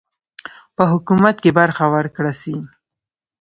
په حکومت کې برخه ورکړه سي.